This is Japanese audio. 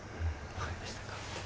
分かりました。